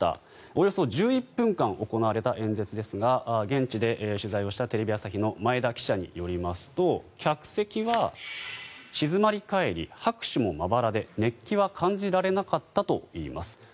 およそ１１分間行われた演説ですが現地で取材をした、テレビ朝日の前田記者によりますと客席は静まり返り拍手もまばらで熱気は感じられなかったといいます。